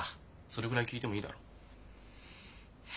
それぐらい聞いてもいいだろ？